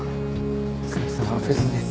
お疲れさまです。